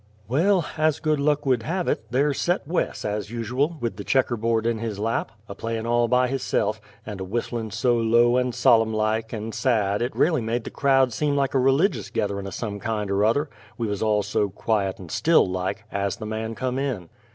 Well, as good luck would have it, there set Wes, as usual, with the checker board in his lap, a playin' all by hisse'f, and a whistlin' so low and solem' like and sad it railly made the crowd seem like a religious getherun' o' some kind er other, we wuz all so quiet and still like, as the man come in.